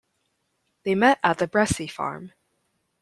They met at the Bressie Farm.